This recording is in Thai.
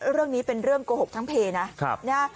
เรื่องนี้เป็นเรื่องโกหกทั้งเพนะ